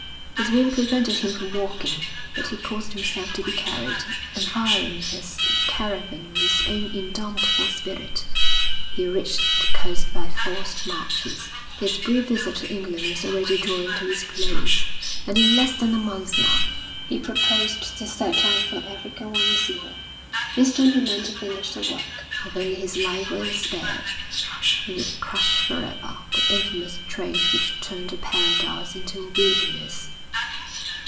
His wound prevented him from walking, but he caused himself to be carried; and, firing his caravan with his own indomitable spirit, he reached the coast by forced marches. His brief visit to England was already drawing to its close, and, in less than a month now, he proposed to set out for Africa once more. This time he meant to finish the work. If only his life were spared, he would crush for ever the infamous trade which turned a paradise into a wilderness.